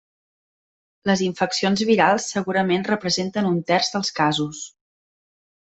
Les infeccions virals segurament representen un terç dels casos.